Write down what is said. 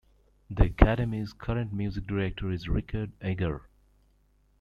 The Academy's current Music Director is Richard Egarr.